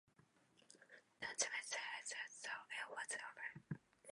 Don Zimmer said he thought it was over.